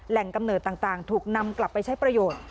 กำเนิดต่างถูกนำกลับไปใช้ประโยชน์